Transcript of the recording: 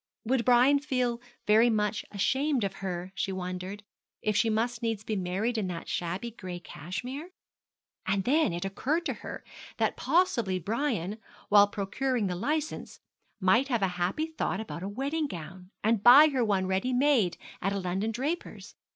Would Brian feel very much ashamed of her, she wondered, if she must needs be married in that shabby gray cashmere? And then it occurred to her that possibly Brian, while procuring the licence, might have a happy thought about a wedding gown, and buy her one ready made at a London draper's.